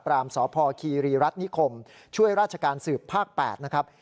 สพคีรีรัฐนิคมช่วยราชการสืบภาค๘นะครับ